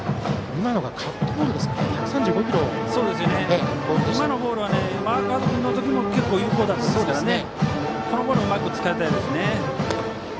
今のボールはマーガード君の時にも結構有効だったのでこのボールをうまく使いたいです。